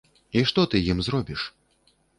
І што ты ім зробіш?